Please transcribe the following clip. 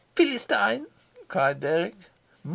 "Philistine," cried Dirk.